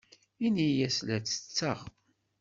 Ini-as la ttetteɣ.